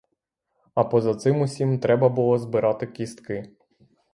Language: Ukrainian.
А поза цим усім треба було збирати кістки.